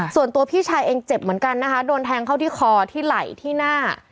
ส่วนตัวพี่ชายเองเจ็บเหมือนกันนะคะโดนแทงเข้าที่คอที่ไหล่ที่หน้า